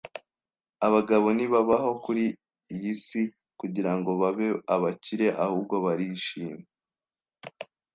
Abagabo ntibabaho kuriyi si kugirango babe abakire, ahubwo barishime.